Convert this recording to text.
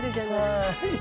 はい。